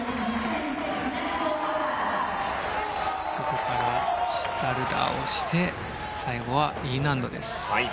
ここからシュタルダーをして最後はＥ難度です。